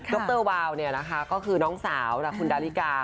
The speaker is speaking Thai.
แล้วดรวาลก็คือนองสาวดาริกา